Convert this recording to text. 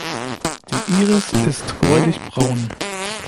Die Iris ist gräulich braun.